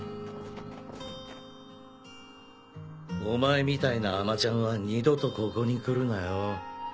お前みたいな甘ちゃんは二度とここに来るなよ。